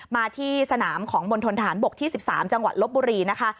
มาที่สนามของมณฑนฐานบกที่๑๓จังหวัดลบบุรีนะคะ